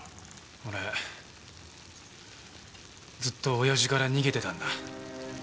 俺ずっと親父から逃げてたんだ。